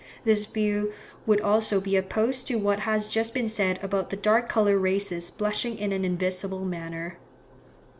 This view would also be opposed to what has just been said about the dark coloured races blushing in an invisible manner.